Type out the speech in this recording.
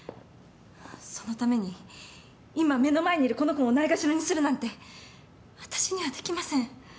そのために今目の前にいるこの子をないがしろにするなんて私にはできません。